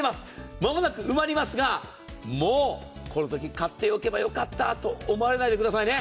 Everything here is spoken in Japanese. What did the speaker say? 間もなく埋まりますが、もうこのとき買っておけばよかったなと思わないでくださいね。